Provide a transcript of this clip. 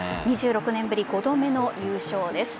２６年ぶり５度目の優勝です。